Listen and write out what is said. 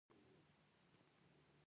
دا حرکتونه په ځینو حیواناتو کې لیدل کېږي.